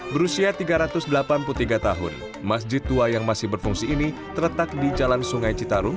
berusia tiga ratus delapan puluh tiga tahun masjid tua yang masih berfungsi ini terletak di jalan sungai citarum